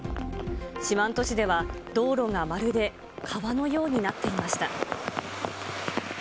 四万十市では、道路がまるで川のようになっていました。